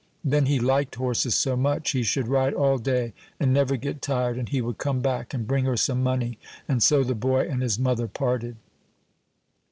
Then he liked horses so much: he should ride all day and never get tired, and he would come back and bring her some money; and so the boy and his mother parted.